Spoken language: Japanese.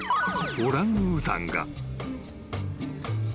［オランウータンが］